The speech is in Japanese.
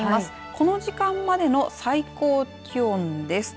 この時間までの最高気温です。